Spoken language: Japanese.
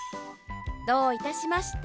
どういたしまして。